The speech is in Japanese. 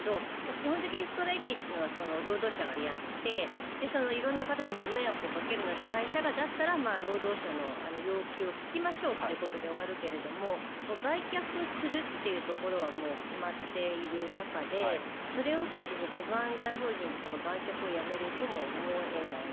基本的にストライキというのは労働者がやって色んな方にご迷惑をかけるので会社が、だったら労働者の要求を聞きましょうということで終わるけど売却するというところはもう決まっている中でそれを受けてセブン＆アイ・ホールディングスが売却をやめるとも思えない。